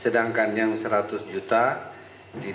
sedangkan yang rp dua ratus juta sudah diberikan